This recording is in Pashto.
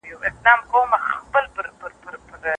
په جرګه کي به د هر قوم او قبیلې خلک موجود وو.